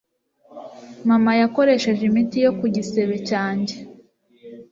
Mama yakoresheje imiti ku gisebe cyanjye